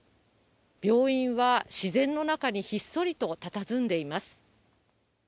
病院は自然の中にひっそりとたたずんでいます。